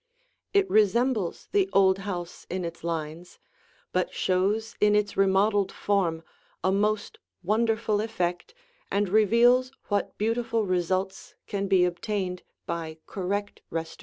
It resembles the old house in its lines but shows in its remodeled form a most wonderful effect and reveals what beautiful results can be obtained by correct restoration.